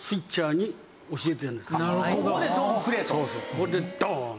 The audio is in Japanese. ここでドーン！